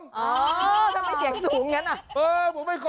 ทำไมเสียงสูงอย่างนั้นอ่ะ